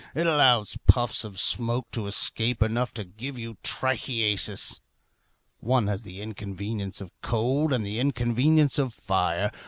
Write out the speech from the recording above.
It allows puffs of smoke to escape enough to give you trichiasis. One has the inconvenience of cold, and the inconvenience of fire.